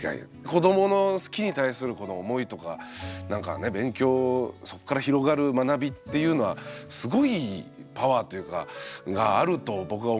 子どもの好きに対するこの思いとかなんかね勉強そっから広がる学びっていうのはすごいパワーというかがあると僕は思うんで。